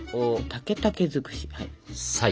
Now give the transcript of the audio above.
竹竹尽くし。